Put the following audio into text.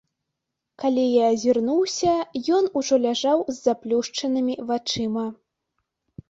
Калі я азірнуўся, ён ужо ляжаў з заплюшчанымі вачыма.